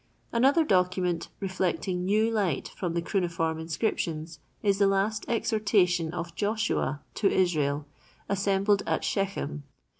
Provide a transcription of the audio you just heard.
Another document, reflecting new light from the cuneiform inscriptions, is the last exhortation of Joshua to Israel assembled at Shechem.